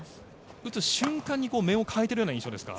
打つ瞬間に目を変えているような印象ですか？